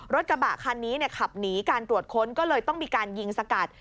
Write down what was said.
รถกระบะคันนี้ขับหนีการตรวจค้นก็เลยต้องมีการยิงสกัด